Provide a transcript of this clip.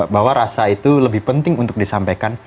bahwa rasa itu lebih penting untuk disampaikan